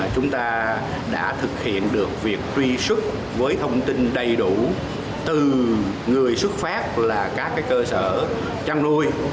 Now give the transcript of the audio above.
chúng ta đã thực hiện được việc truy xuất với thông tin đầy đủ từ người xuất phát là các cơ sở chăn nuôi